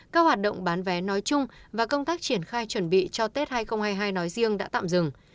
các hoạt động bán vé nói chung và công tác triển khai chuẩn bị cho tết hai nghìn hai mươi hai nói riêng đã tạm dừng